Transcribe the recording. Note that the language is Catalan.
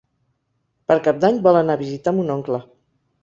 Per Cap d'Any vol anar a visitar mon oncle.